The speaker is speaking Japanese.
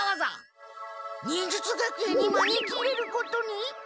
忍術学園にまねき入れることに？